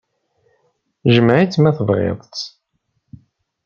Jmeɛ-it, ma tebɣid-t.